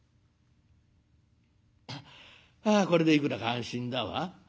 「あこれでいくらか安心だわ。